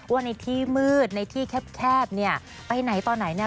ว่าในที่มืดในที่แคบไปไหนต่อไหน